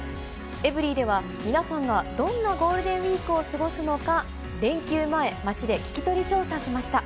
エブリィでは、皆さんがどんなゴールデンウィークを過ごすのか、連休前、街で聞き取り調査しました。